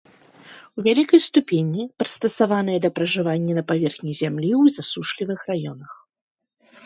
У вялікай ступені прыстасаваныя да пражывання на паверхні зямлі ў засушлівых раёнах.